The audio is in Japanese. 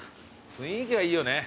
雰囲気がいいよね。